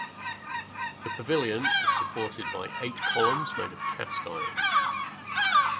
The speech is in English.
The pavilion is supported by eight columns made of cast iron.